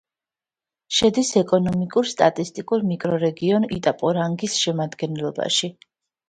შედის ეკონომიკურ-სტატისტიკურ მიკრორეგიონ იტაპორანგის შემადგენლობაში.